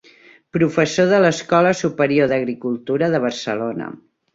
Professor de l'Escola Superior d'Agricultura de Barcelona.